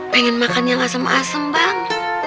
pengen makan yang asem asem bang